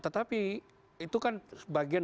tetapi itu kan bagian